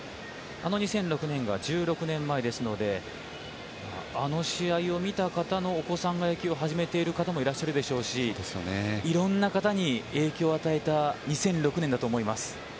あれが１６年前ですのであの試合を見た方のお子さんが野球を始めている方もいるでしょうし、いろんな方に影響を与えたと思います。